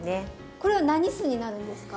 これは何酢になるんですか？